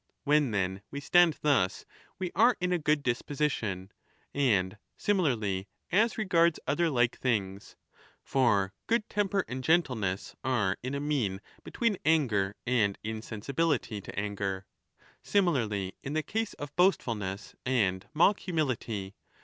When, then, we stand thus, we are in a good disposition. And similarly as regards other like things. For good temper and gentleness are in a mean between anger and insensibility to anger. Similarly in the case of boastfulness and mock humility.